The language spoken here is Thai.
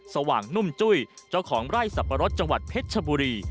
สว่างนุ่มจุ้ยเจ้าของไร่สับปะรดจังหวัดเพชรชบุรี